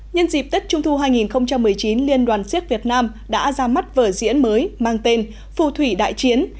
nhân dịp tết trung thu hai nghìn một mươi chín liên đoàn siếc việt nam đã ra mắt vở diễn mới mang tên phù thủy đại chiến